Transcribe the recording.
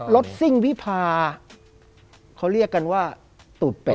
ซิ่งวิพาเขาเรียกกันว่าตูดเป็ด